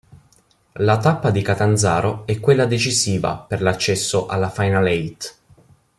La tappa di Catanzaro è quella decisiva per l'accesso alla Final Eight.